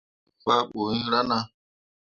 Me fah ɓuriŋ rana.